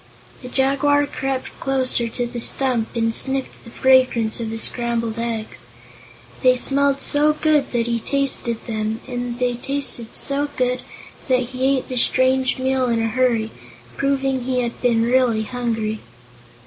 The Jaguar crept closer to the stump and sniffed the fragrance of the scrambled eggs. They smelled so good that he tasted them, and they tasted so good that he ate the strange meal in a hurry, proving he had been really hungry.